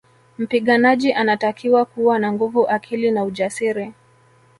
Mpiganaji anatakiwa kuwa na nguvu akili na ujasiri